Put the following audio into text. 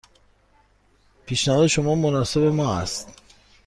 پیشنهاد شما مناسب ما است.